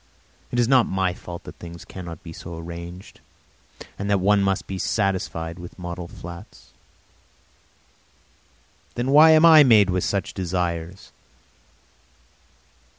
It is not my fault that things cannot be so arranged, and that one must be satisfied with model flats. Then why am I made with such desires?